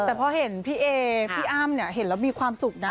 แต่พอเห็นพี่เอพี่อ้ำเนี่ยเห็นแล้วมีความสุขนะ